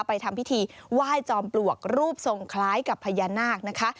ทำพิธีไหว้จอมปลวกรูปทรงคล้ายกับพญานาคนะคะ